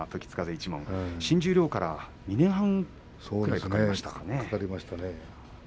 新十両から２年半かかりましたね。